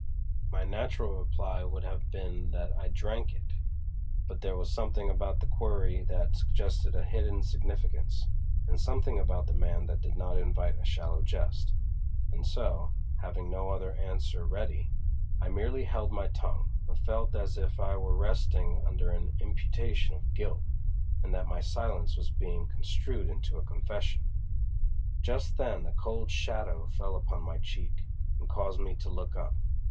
My natural reply would have been that I drank it, but there was something about the query that suggested a hidden significance, and something about the man that did not invite a shallow jest. And so, having no other answer ready, I merely held my tongue, but felt as if I were resting under an imputation of guilt, and that my silence was being construed into a confession. Just then a cold shadow fell upon my cheek, and caused me to look up.